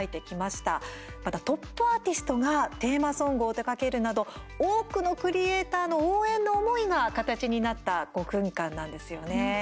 また、トップアーティストがテーマソングを手がけるなど多くのクリエーターの応援の思いが形になった５分間なんですよね。